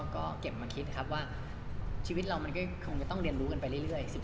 ก็เก็บมาคิดครับว่าชีวิตเรามันก็คงจะต้องเรียนรู้กันไปเรื่อย